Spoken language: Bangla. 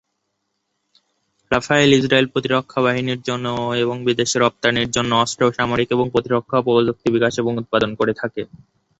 রাফায়েল ইজরায়েল প্রতিরক্ষা বাহিনীর জন্য এবং বিদেশে রপ্তানির জন্য অস্ত্র, সামরিক এবং প্রতিরক্ষা প্রযুক্তি বিকাশ এবং উৎপাদন করে থাকে।